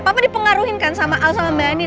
papa dipengaruhin kan sama elsa dan bayanin